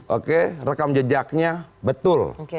oke rekam jejaknya betul